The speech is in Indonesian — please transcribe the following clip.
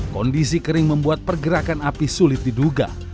kondisi kering membuat pergerakan api sulit diduga